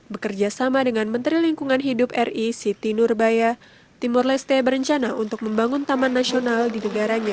bekerja sama dengan menteri lingkungan hidup ri siti nurbaya timur leste berencana untuk membangun taman nasional di negaranya